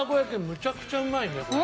めちゃくちゃうまいねこれ。